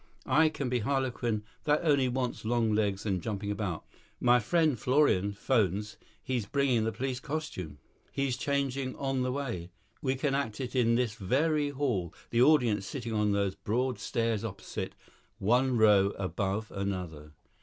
I can be harlequin, that only wants long legs and jumping about. My friend Florian 'phones he's bringing the police costume; he's changing on the way. We can act it in this very hall, the audience sitting on those broad stairs opposite, one row above another.